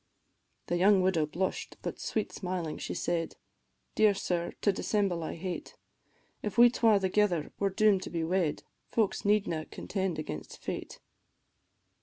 The young widow blush'd, but sweet smiling she said, "Dear sir, to dissemble I hate, If we twa thegither are doom'd to be wed, Folks needna contend against fate."